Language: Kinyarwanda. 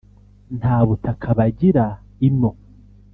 nta butaka bagira ino